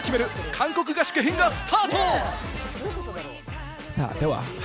韓国合宿編がスタート。